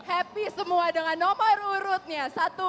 happy semua dengan nomor urutnya